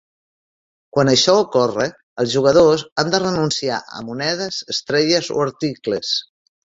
Quan això ocorre, els jugadors han de renunciar a monedes, estrelles o articles.